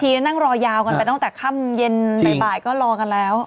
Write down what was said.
นั่งรอยาวกันไปตั้งแต่ค่ำเย็นบ่ายก็รอกันแล้ว